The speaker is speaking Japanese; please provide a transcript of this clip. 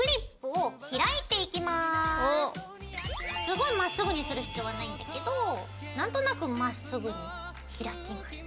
すごいまっすぐにする必要はないんだけど何となくまっすぐにひらきます。